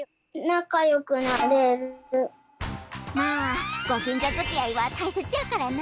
まあごきんじょづきあいはたいせつやからな。